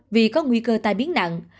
vì có nguy cơ tai biến nặng